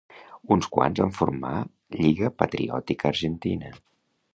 Uns quants van formar Lliga Patriòtica Argentina.